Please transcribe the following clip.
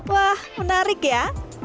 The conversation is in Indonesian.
wah menarik ya